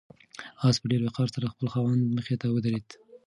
آس په ډېر وقار سره د خپل خاوند مخې ته ودرېد.